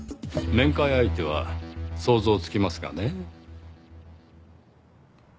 面会相手は想像つきますがね。